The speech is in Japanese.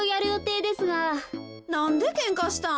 なんでけんかしたん？